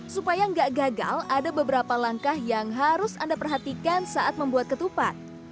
supaya nggak gagal ada beberapa langkah yang harus anda perhatikan saat membuat ketupat